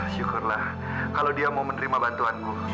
syukurlah kalau dia mau menerima bantuanku